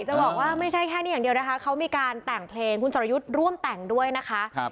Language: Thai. จะบอกว่าไม่ใช่แค่นี้อย่างเดียวนะคะเขามีการแต่งเพลงคุณสรยุทธ์ร่วมแต่งด้วยนะคะ